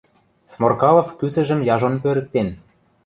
Сморкалов кӱсӹжӹм яжон пӧрӹктен.